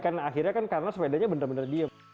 karena akhirnya kan karena sepedanya benar benar diam